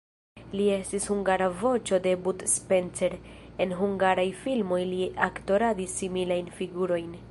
Li estis hungara voĉo de Bud Spencer, en hungaraj filmoj li aktoradis similajn figurojn.